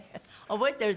覚えてる？